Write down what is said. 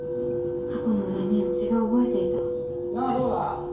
過去の恨みを血が覚えていたなぁどうだ？